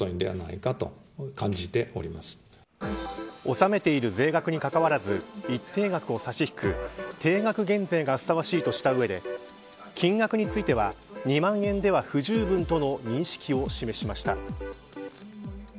納めている税額にかかわらず一定額を差し引く定額減税がふさわしいとした上で金額については２万円では不十分との認識を示しました。